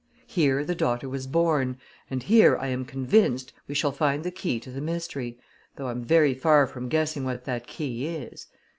Here, the daughter was born, and here, I am convinced, we shall find the key to the mystery, though I'm very far from guessing what that key is.